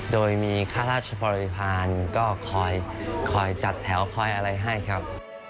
โดยมีข้าราชบริพาณก็คอยจัดแถวคอยอะไรให้ครับ